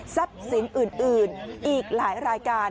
ทรัพย์สินอื่นอีกหลายรายการ